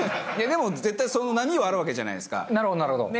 でも絶対波はあるわけじゃないですか。